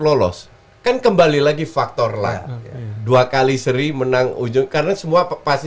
lolos kan kembali lagi faktorlah dua kali seri menang ujung karena semua pasti